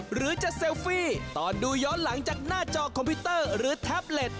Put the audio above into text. หรือจะเซลฟี่ตอนดูย้อนหลังจากหน้าจอคอมพิวเตอร์หรือแท็บเล็ต